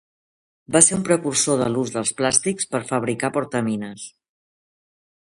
Va ser un precursor en l'ús dels plàstics per fabricar portamines.